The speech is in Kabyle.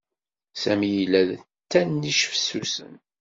Sami yella d tanict fessusen.